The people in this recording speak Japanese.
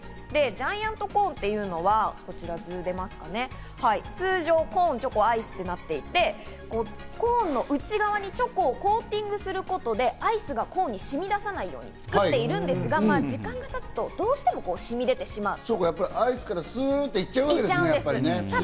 ジャイアントコーンっていうのは、通常、コーン・チョコ・アイスになっていて、コーンの内側にチョコをコーティングすることでアイスがコーンにしみださないように作っているんですが、時間が経つとどうしてもしみ出してしまう。